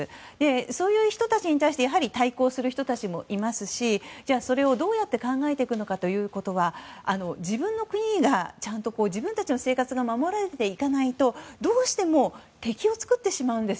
そういう人たちに対して対抗する人たちもいますしそれをどうやって考えていくのかということは、自分の国がちゃんと自分たちの生活が守られていかないとどうしても敵を作ってしまうんです。